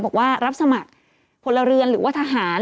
บอกว่ารับสมัครพลเรือนหรือว่าทหาร